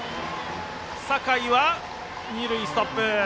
酒井は二塁ストップ。